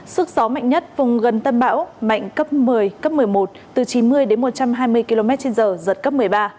sức gió mạnh nhất vùng gần tâm bão mạnh cấp một mươi cấp một mươi một từ chín mươi đến một trăm hai mươi km trên giờ giật cấp một mươi ba